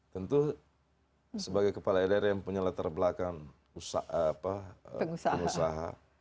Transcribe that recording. tentu sebagai kepala daerah yang punya latar belakang pengusaha